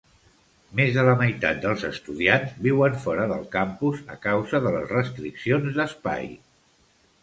Més de la meitat dels estudiants viuen fora del campus a causa de les restriccions d'espai.